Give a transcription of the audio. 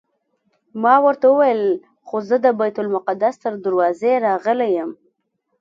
ما ورته وویل خو زه د بیت المقدس تر دروازې راغلی یم.